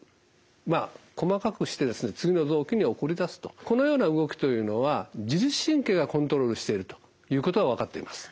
まあ細かくして次の臓器に送り出すとこのような動きというのは自律神経がコントロールしているということが分かっています。